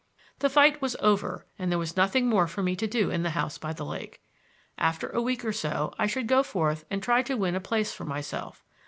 The fight was over and there was nothing more for me to do in the house by the lake. After a week or so I should go forth and try to win a place for myself.